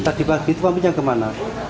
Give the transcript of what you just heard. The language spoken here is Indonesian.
itu pamitnya kemana